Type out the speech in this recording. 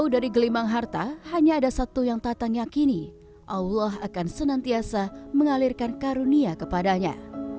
dari gelimang harta hanya ada satu yang tatang yakini allah akan senantiasa mengalirkan karunia kepadanya